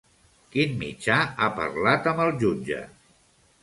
Quin mitjà ha parlat amb el jutge?